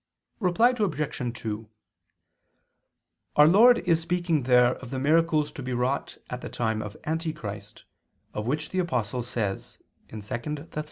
Reply Obj. 2: Our Lord is speaking there of the miracles to be wrought at the time of Antichrist, of which the Apostle says (2 Thess.